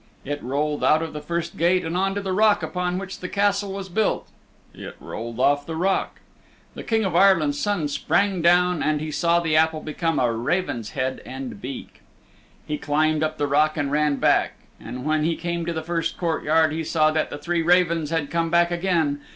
It rolled out of the first gate and on to the rock upon which the Castle was built. It rolled off the rock. The King of Ireland's Son sprang down and he saw the apple become a raven's head and beak. He climbed up the rock and ran back. And when he came into the first courtyard he saw that the three ravens had come back again.